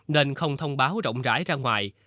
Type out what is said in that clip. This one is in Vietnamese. nên không thông báo rộng rãi ra ngoài